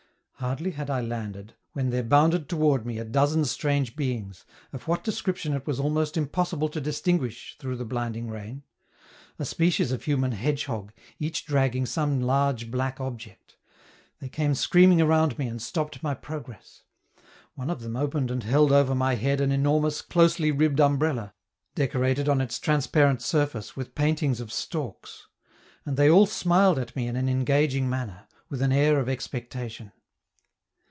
Hardly had I landed, when there bounded toward me a dozen strange beings, of what description it was almost impossible to distinguish through the blinding rain a species of human hedgehog, each dragging some large black object; they came screaming around me and stopped my progress. One of them opened and held over my head an enormous, closely ribbed umbrella, decorated on its transparent surface with paintings of storks; and they all smiled at me in an engaging manner, with an air of expectation.